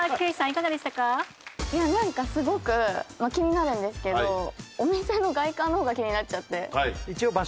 いやなんかすごくまあ気になるんですけどお店の外観の方が気になっちゃって。